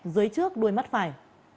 dưới trước đuôi mắt phải